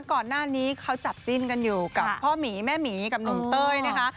ก่อนหน้านี้เขาจับจิ้นกันอยู่กับพ่อหมีแม่หมีกับหนุ่มเต้ยนะคะ